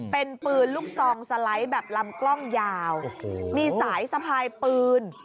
เป็นปืนลูกซองสไลด์แบบลำกล้องยาวมีสายสะพายปืน